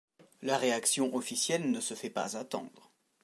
La réaction officielle ne se fait pas attendre.